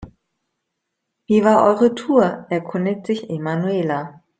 Wie war eure Tour?, erkundigte sich Emanuela.